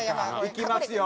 いきますよ。